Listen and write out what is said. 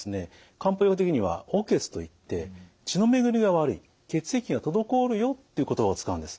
漢方医学的には血といって血の巡りが悪い血液が滞るよっていう言葉を使うんです。